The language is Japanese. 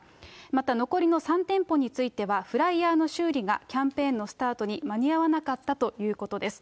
また残りの３店舗については、フライヤーの修理がキャンペーンのスタートに間に合わなかったということです。